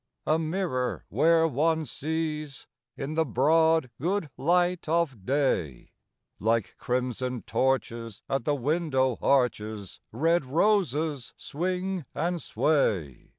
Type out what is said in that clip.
A mirror, where one sees In the broad, good light of day, Like crimson torches, at the window arches, Red roses swing and sway.